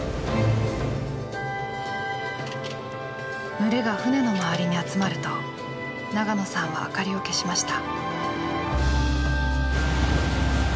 群れが船の周りに集まると長野さんは明かりを消しました。